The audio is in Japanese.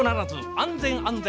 安全安全。